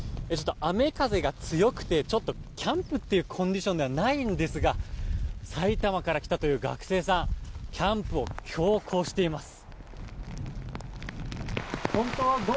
雨風が強くてキャンプというコンディションではないのですが埼玉から来たという学生さんキャンプを強行しています。